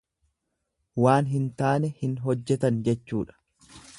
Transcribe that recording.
Waan hin taane hin hojjetan jechuudha.